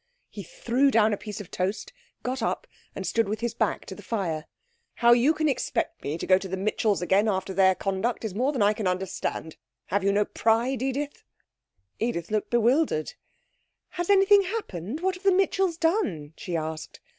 He threw down a piece of toast, got up, and stood with his back to the fire. 'How you can expect me to go to the Mitchells' again after their conduct is more than I can understand! Have you no pride, Edith?' Edith looked bewildered. 'Has anything happened? What have the Mitchells done?' she asked.